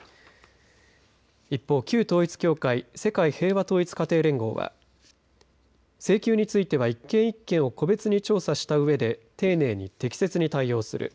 一方、旧統一教会世界平和統一家庭連合は請求については１件１件を個別に調査したうえで丁寧に適切に対応する。